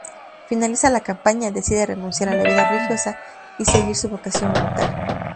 Finalizada la campaña, decide renunciar a la vida religiosa y seguir su vocación militar.